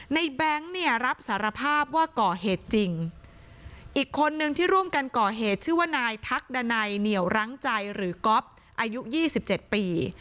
แบงค์เนี่ยรับสารภาพว่าก่อเหตุจริงอีกคนนึงที่ร่วมกันก่อเหตุชื่อว่านายทักดันัยเหนียวรั้งใจหรือก๊อฟอายุ๒๗ปี